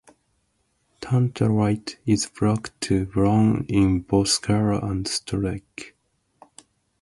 Tantalite is black to brown in both color and streak.